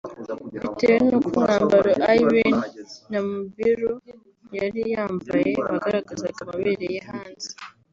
bitewe nuko umwambaro Iryn Namubiru yari yambaye wagaragazaga amabere ye hanze